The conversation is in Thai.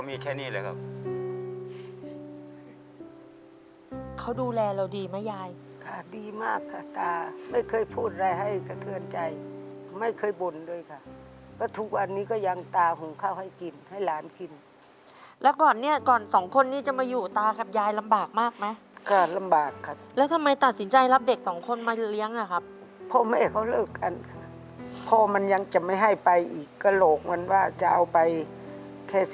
มีความรู้สึกว่ามีความรู้สึกว่ามีความรู้สึกว่ามีความรู้สึกว่ามีความรู้สึกว่ามีความรู้สึกว่ามีความรู้สึกว่ามีความรู้สึกว่ามีความรู้สึกว่ามีความรู้สึกว่ามีความรู้สึกว่ามีความรู้สึกว่ามีความรู้สึกว่ามีความรู้สึกว่ามีความรู้สึกว่ามีความรู้สึกว